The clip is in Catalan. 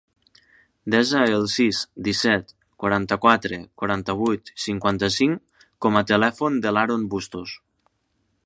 Desa el sis, disset, quaranta-quatre, quaranta-vuit, cinquanta-cinc com a telèfon de l'Aron Bustos.